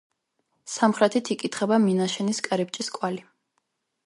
სამხრეთით იკითხება მინაშენის კარიბჭის კვალი.